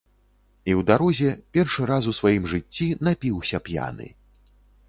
І ў дарозе, першы раз у сваім жыцці, напіўся п'яны.